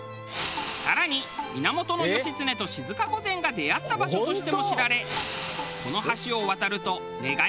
更に源義経と静御前が出会った場所としても知られこの橋を渡ると願いがかなうといわれる。